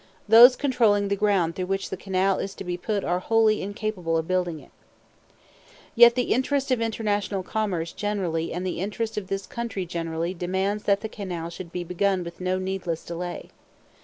Those controlling the ground through which the canal is to be put are wholly incapable of building it. "Yet the interest of international commerce generally and the interest of this country generally demands that the canal should be begun with no needless delay.